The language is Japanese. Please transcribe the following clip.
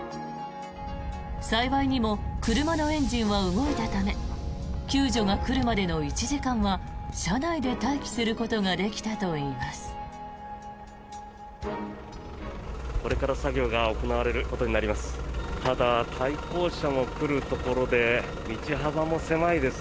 幸いにも車のエンジンは動いたため救助が来るまでの１時間は車内で待機することができたといいます。